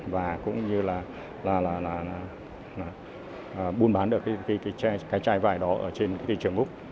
và cũng như là buôn bán được cái chai vải đó ở trên thị trường úc